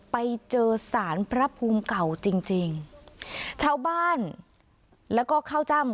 ไปเจอสารพระภูมิเก่าจริงจริงชาวบ้านแล้วก็ข้าวจ้ำ